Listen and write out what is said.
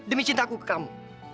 demi cintaku ke kamu